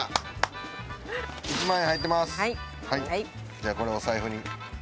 じゃあこれお財布に。